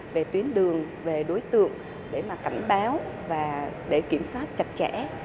về tuyến đường về đối tượng để cảnh báo để kiểm soát chặt chẽ